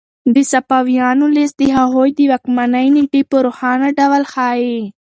د صفویانو لیست د هغوی د واکمنۍ نېټې په روښانه ډول ښيي.